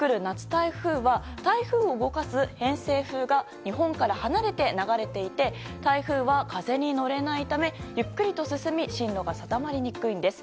台風は台風を動かす偏西風が日本から離れ流れていて台風は風に乗れないためゆっくりと進み進路が定まりにくいんです。